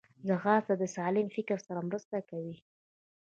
ځغاسته د سالم فکر سره مرسته کوي